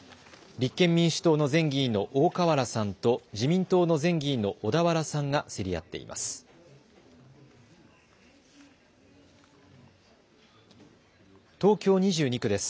立憲民主党の前議員の大河原さんと自民党の前議員の小田原さんが競り合っています。